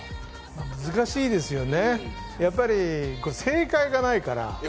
難しいですよね、やっぱり正解がないから。